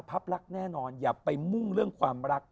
ภาพรักแน่นอนอย่าไปมุ่งเรื่องความรัก